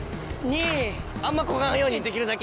あんまこがんようにできるだけ。